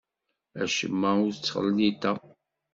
Acemma ur t-ttɣelliteɣ.